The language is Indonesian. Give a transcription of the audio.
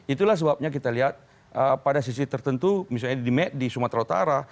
itulah sebabnya kita lihat pada sisi tertentu misalnya di sumatera utara